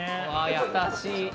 ◆優しい。